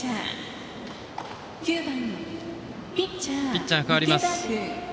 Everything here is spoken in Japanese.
ピッチャーが代わります。